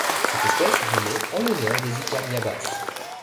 Cette espèce est nommée en l'honneur des Icamiabas.